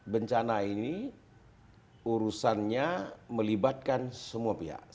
bencana ini urusannya melibatkan semua pihak